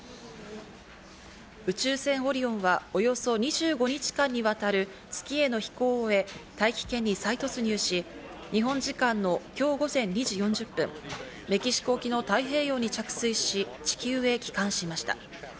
宇宙船「オリオン」は、およそ２５日間にわたる月への飛行を終え、大気圏に再突入し、日本時間の今日午前２時４０分、メキシコ沖の太平洋に着水し、地球へ帰還しました。